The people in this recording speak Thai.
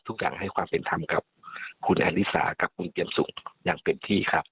ทุกอย่างให้ความเป็นธรรมกับคุณแอลิสากับคุณเจียมสุขอย่างเต็มที่ครับ